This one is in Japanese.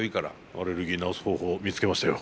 「アレルギー治す方法見つけましたよ」